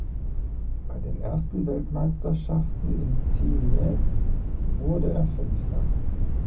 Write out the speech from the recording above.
Bei den ersten Weltmeisterschaften in Tignes wurde er Fünfter.